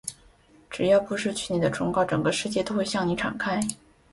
只要不失去你的崇高，整个世界都会向你敞开。